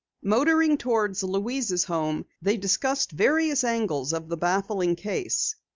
Motoring toward Louise's home, they discussed various angles of the baffling case.